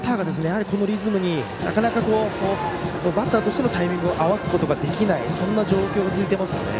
なかなかバッターとしてもタイミングを合わせることができない状況が続いていますよね。